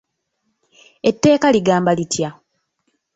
Etteeka ligamba litya?